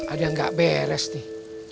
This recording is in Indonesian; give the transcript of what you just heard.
ada yang gak beres nih